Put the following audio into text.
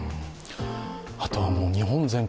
あとは日本全国